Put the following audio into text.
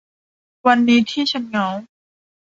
วันนี้ที่ฉันเหงา